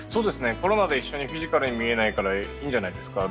コロナで一緒にフィジカルに見えないからいいんじゃないですか？